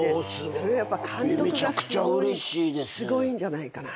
それはやっぱ監督がすごいんじゃないかなと。